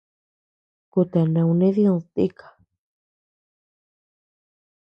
Kutea nauné did tika.